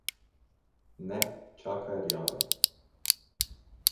Ne, čakaj rjave.